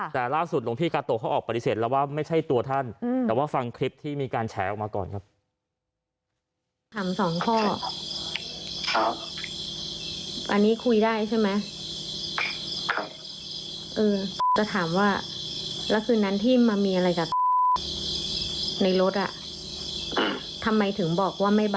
แต่ล่าสุดหลวงพี่กาโตเขาออกปฏิเสธแล้วว่าไม่ใช่ตัวท่านแต่ว่าฟังคลิปที่มีการแฉออกมาก่อนครับ